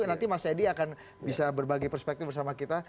nanti mas edi akan bisa berbagi perspektif bersama kita